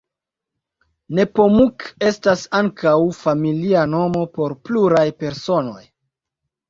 Nepomuk estas ankaŭ familia nomo por pluraj personoj.